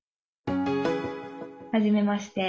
はじめまして。